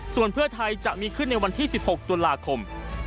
ส่วนเพื่อไทยจะมีขึ้นในวันที่๑๖ตุลาคม